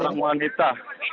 dua orang wanita